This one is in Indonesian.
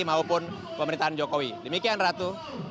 maupun pemerintahan jokowi demikian ratu